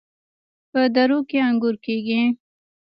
په درو کې انګور کیږي.